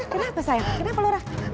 kenapa sayang kenapa lu rafi